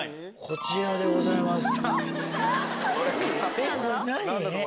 こちらでございます。